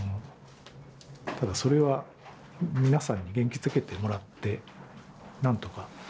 ただそれは皆さんに元気づけてもらってなんとか。